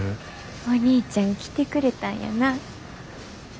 お兄ちゃん来てくれたんやな。